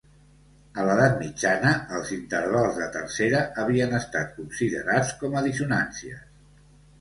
A l'edat mitjana, els intervals de tercera havien estat considerats com a dissonàncies.